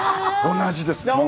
同じですね。